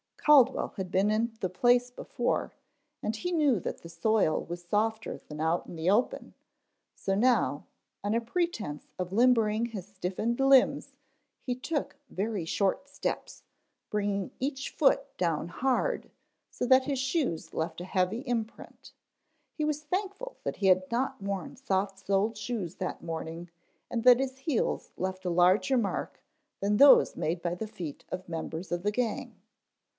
Caldwell had been in the place before and he knew that the soil was softer than out in the open, so now, on a pretense of limbering his stiffened limbs, he took very short steps, bringing each foot down hard so that his shoes left a heavy imprint. He was thankful that he had not worn soft soled shoes that morning and that his heels left a larger mark than those made by the feet of members of the gang.